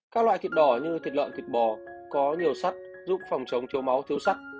các loại thịt đỏ như thịt lợn thịt bò có nhiều sắt giúp phòng chống máu thiếu sắt